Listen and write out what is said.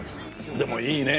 でもいいねえ